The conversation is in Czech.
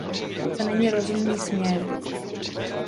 To není rozumný směr.